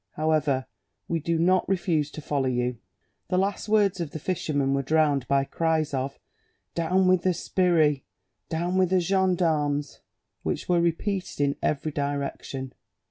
However, we do not refuse to follow you." The last words of the fisherman were drowned by cries of "Down with the sbirri! down with the gendarmes!" which were repeated in every direction.